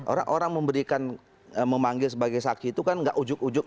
orang orang memberikan memanggil sebagai saksi itu kan gak ujuk ujuk